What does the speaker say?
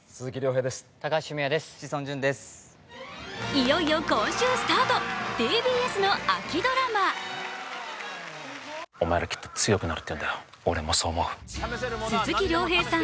いよいよ今週スタート、ＴＢＳの秋ドラマ鈴木亮平さん